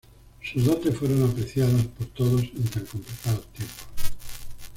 Sus dotes fueron apreciadas por todos en tan complicados tiempos.